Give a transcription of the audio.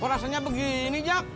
kok rasanya begini jak